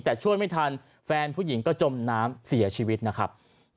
แต่ช่วยไม่ทันแฟนผู้หญิงก็จมน้ำเสียชีวิตนะครับ